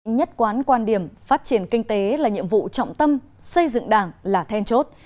nhất quán quan điểm phát triển kinh tế là nhiệm vụ trọng tâm xây dựng đảng là then chốt